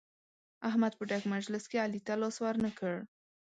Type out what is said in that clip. احمد په ډک مجلس کې علي ته لاس ور نه کړ.